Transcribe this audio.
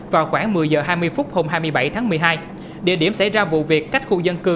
vào khoảng một mươi h hai mươi phút hôm hai mươi bảy tháng một mươi hai địa điểm xảy ra vụ việc cách khu dân cư